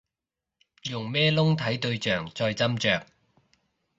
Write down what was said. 用咩窿睇對象再斟酌